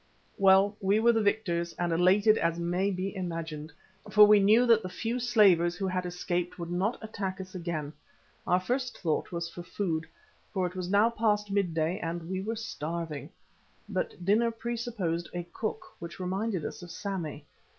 Well, we were the victors and elated as may be imagined, for we knew that the few slavers who had escaped would not attack us again. Our first thought was for food, for it was now past midday and we were starving. But dinner presupposed a cook, which reminded us of Sammy.